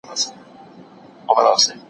دولت به عوايد لوړ کړي.